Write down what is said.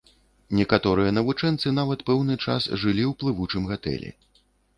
Некаторыя навучэнцы нават пэўны час жылі ў плывучым гатэлі.